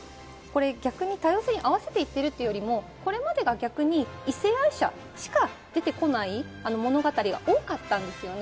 逆に多様性に合わせて行っているというよりもこれまでが異性愛者しか出てこない物語が多かったんですよね。